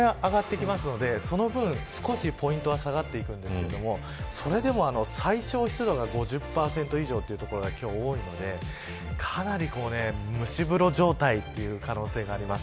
気温が上がっていきますのでその分、少しポイントは下がっていくんですけれどもそれでも最小湿度が５０％以上という所が多いのでかなり蒸し風呂状態という可能性があります。